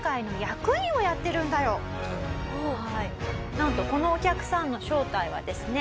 なんとこのお客さんの正体はですね